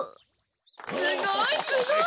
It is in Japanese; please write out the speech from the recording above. ・すごいすごい！